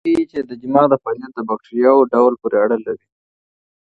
څېړنه ښيي چې د دماغ فعالیت د بکتریاوو ډول پورې اړه لري.